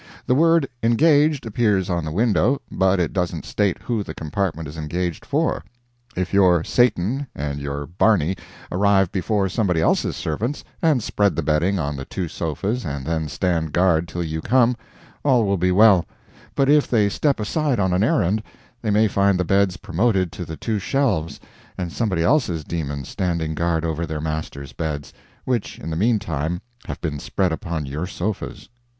The word "engaged" appears on the window, but it doesn't state who the compartment is engaged, for. If your Satan and your Barney arrive before somebody else's servants, and spread the bedding on the two sofas and then stand guard till you come, all will be well; but if they step aside on an errand, they may find the beds promoted to the two shelves, and somebody else's demons standing guard over their master's beds, which in the meantime have been spread upon your sofas.